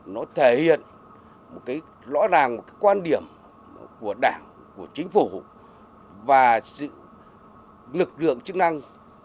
nó thể hiện một cái rõ ràng một cái quan điểm của đảng của chính phủ và lực lượng chức năng